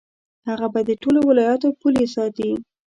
هغه به د ټولو ولایاتو پولې ساتي.